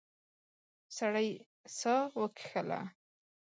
سړی ساه وکیښله.